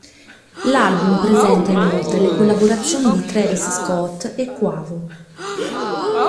L'album presenta inoltre le collaborazioni di Travis Scott e Quavo.